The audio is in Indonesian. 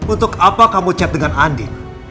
untuk apa kamu chat dengan andi